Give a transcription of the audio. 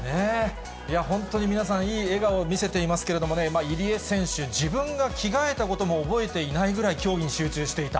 本当に皆さん、いい笑顔を見せていますけれども、入江選手、自分が着替えたことも覚えていないぐらい競技に集中していた。